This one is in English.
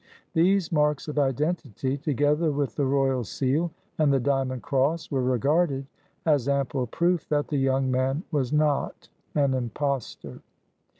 These marks of identity, together with the royal seal and the diamond cross, were regarded as ample proof that the young man was not an impostor.